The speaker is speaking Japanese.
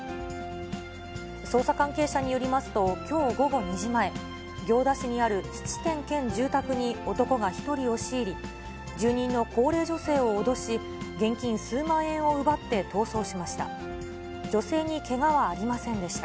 捜査関係者によりますと、きょう午後２時前、行田市にある質店兼住宅に男が１人押し入り、住人の高齢女性を脅し、現金数万円を奪って逃走しました。